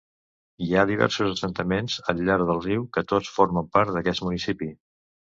Hi ha diversos assentaments al llarg del riu, que tots formen part d'aquest municipi.